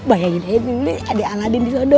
bayangin ini adik aladin disana